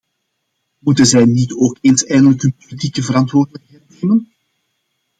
Moeten zij niet ook eens eindelijk hun politieke verantwoordelijkheid nemen?